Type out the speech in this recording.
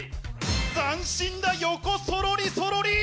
斬新な横そろりそろり！